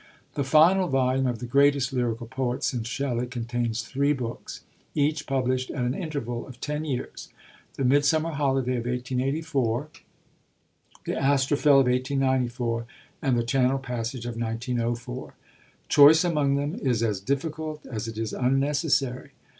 The final volume of the greatest lyrical poet since Shelley contains three books, each published at an interval of ten years: the Midsummer Holiday of 1884, the Astrophel of 1894, and the Channel Passage of 1904. Choice among them is as difficult as it is unnecessary.